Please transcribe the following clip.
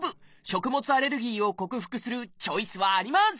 食物アレルギーを克服するチョイスはあります！